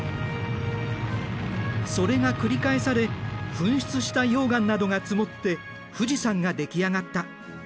それが繰り返され噴出した溶岩などが積もって富士山ができ上がった。